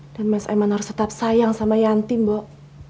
dan mas eman harus tetap sayang sama yanti mbok